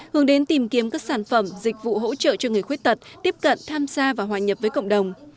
hướng đến tìm kiếm các sản phẩm dịch vụ hỗ trợ cho người khuyết tật tiếp cận tham gia và hòa nhập với cộng đồng